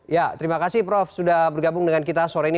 ya terima kasih prof sudah bergabung dengan kita sore ini